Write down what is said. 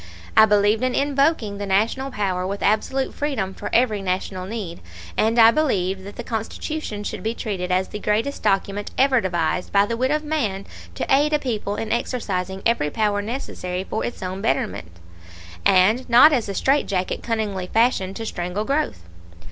I believed in invoking the National power with absolute freedom for every National need; and I believed that the Constitution should be treated as the greatest document ever devised by the wit of man to aid a people in exercising every power necessary for its own betterment, and not as a straitjacket cunningly fashioned to strangle growth.